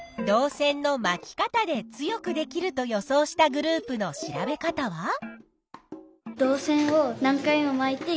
導線の「まき方」で強くできると予想したグループの調べ方は？